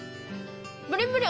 プリプリ！